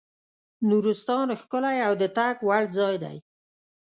نورستان ښکلی او د تګ وړ ځای دی.